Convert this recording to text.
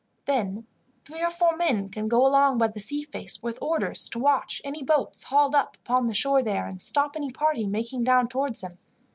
Then three or four men can go along by the sea face, with orders to watch any boats hauled up upon the shore there, and stop any party making down towards them.